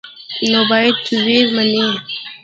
نو باید ویې مني.